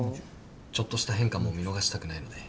ちょっとした変化も見逃したくないので。